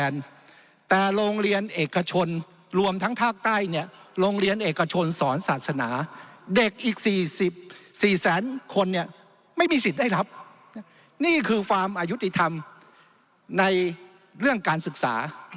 ในเรื่องการศึกษา